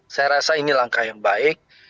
saya rasa ini langkah yang baik